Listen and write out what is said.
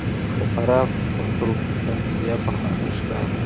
د فراه پروفتاسیا پخوانی ښار دی